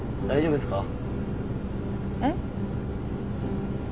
大丈夫です。